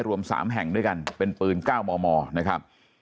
รวมสามแห่งด้วยกันเป็นปืนเก้าหมอหมอนะครับ